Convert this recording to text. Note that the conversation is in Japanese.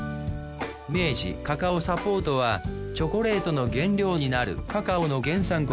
メイジ・カカオ・サポートはチョコレートの原料になるカカオの原産国